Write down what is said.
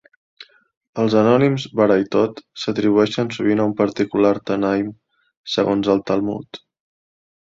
Els anònims "Baraitot" s'atribueixen sovint a un particular "Tanaim" segons el Talmud.